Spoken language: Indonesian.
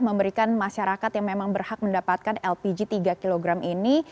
memberikan masyarakat yang memang berhak mendapatkan lpg tiga kg ini